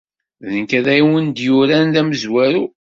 D nekk ay awen-d-yuran d amezwaru.